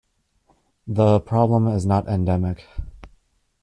The problem is not endemic.